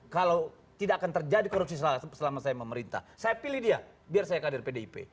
kalau tidak akan terjadi korupsi selama saya memerintah saya pilih dia biar saya kader pdip